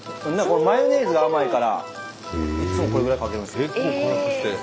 マヨネーズが甘いからいっつもこれぐらいかけるんですよ。